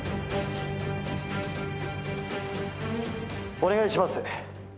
お願いします。